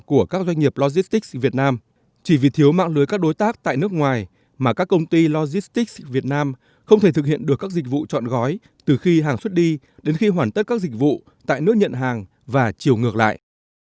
các doanh nghiệp logistics việt nam chỉ vì thiếu mạng lưới các đối tác tại nước ngoài mà các công ty logistics việt nam không thể thực hiện được các dịch vụ chọn gói từ khi hàng xuất đi đến khi hoàn tất các dịch vụ tại nước nhận hàng và chiều ngược lại